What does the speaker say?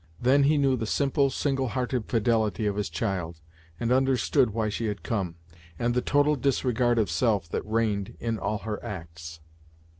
Then he knew the simple, single hearted fidelity of his child, and understood why she had come, and the total disregard of self that reigned in all her acts.